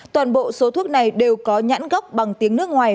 toàn bộ số thuốc này đều có nhãn gốc bằng tiếng nước ngoài